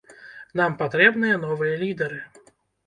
Нам патрэбныя новыя лідары.